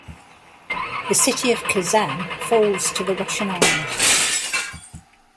The city of Kazan falls to the Russian army.